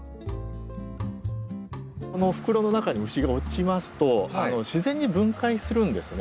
この袋の中に虫が落ちますと自然に分解するんですね。